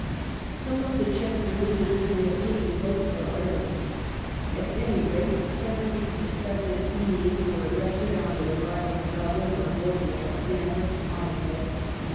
Some of the Chester visitors may have taken boat for Ireland. At any rate, seventy suspected Fenians were arrested on their arrival in Dublin on board the Alexandra from Holyhead and the S.